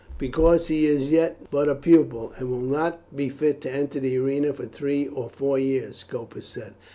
"Because he is as yet but a pupil, and will not be fit to enter the arena for three or four years," Scopus said.